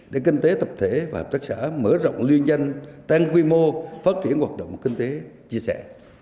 để kinh tế tập thể và hợp tác xã mở rộng liên danh tăng quy mô phát triển hoạt động kinh tế chia sẻ